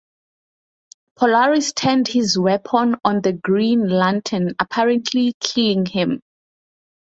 Polaris turned his weapon on the Green Lantern, apparently killing him.